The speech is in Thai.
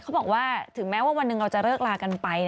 เขาบอกว่าถึงแม้ว่าวันหนึ่งเราจะเลิกลากันไป